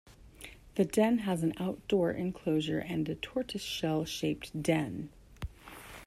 The den has an outdoor enclosure and a tortoise shell-shaped den.